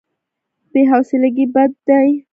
بې حوصلګي بد دی.